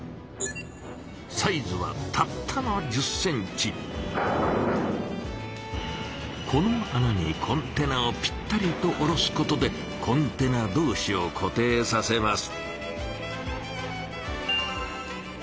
サイズはたったのこのあなにコンテナをぴったりとおろすことでコンテナどうしを固定させます。